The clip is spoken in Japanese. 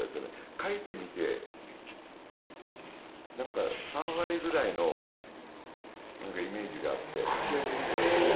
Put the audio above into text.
描いてみてなんか３割ぐらいのイメージがあって描き始めちゃうの、俺。